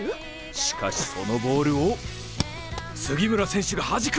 しかしそのボールを杉村選手がはじく！